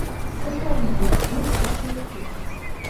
Саҭоумҵан, усшәа ахьысҳәаз!